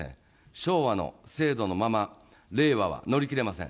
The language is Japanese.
昭和の制度のまま令和は乗り切れません。